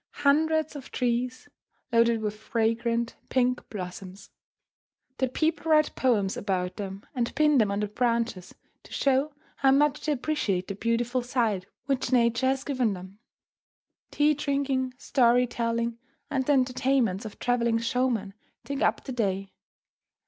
Hundreds of trees loaded with fragrant pink blossoms! The people write poems about them, and pin them on the branches, to show how much they appreciate the beautiful sight which Nature has given them. Tea drinking, story telling, and the entertainments of travelling showmen take up the day.